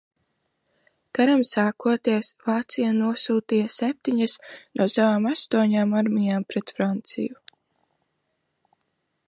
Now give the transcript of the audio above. Karam sākoties, Vācija nosūtīja septiņas no savām astoņām armijām pret Franciju.